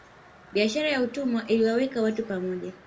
Biashara ya utumwa iliwaweka watu pamoja